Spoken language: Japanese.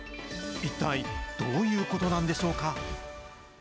一体、どういうことなんでしょうか。